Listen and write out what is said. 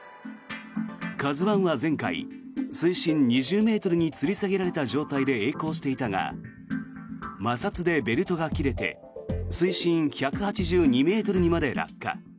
「ＫＡＺＵ１」は前回水深２０ｍにつり下げられた状態でえい航していたが摩擦でベルトが切れて水深１８２ｍにまで落下。